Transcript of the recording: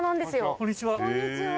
こんにちは。